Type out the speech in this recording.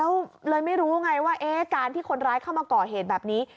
แล้วเลยไม่รู้ไงว่าการที่คนร้ายเข้ามาก่อเหตุแบบนี้